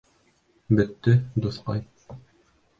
Бөттө, дуҫҡай!